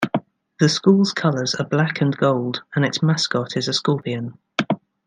The school's colors are black and gold and its mascot is a scorpion.